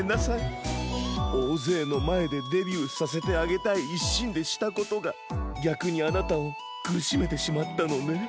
おおぜいのまえでデビューさせてあげたいいっしんでしたことがぎゃくにあなたをくるしめてしまったのね。